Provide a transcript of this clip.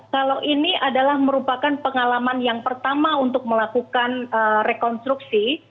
kalau ini adalah merupakan pengalaman yang pertama untuk melakukan rekonstruksi